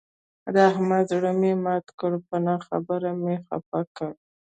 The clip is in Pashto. د احمد زړه مې مات کړ، په نه خبره مې خپه کړ.